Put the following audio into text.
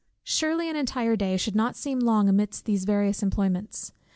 Surely an entire day should not seem long amidst these various employments.